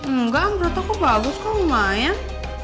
enggak menurut aku bagus kok lumayan